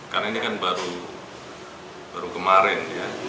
karena ini kan baru kemarin ya